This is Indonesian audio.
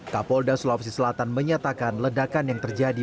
kapolda sulawesi selatan menyatakan ledakan yang terjadi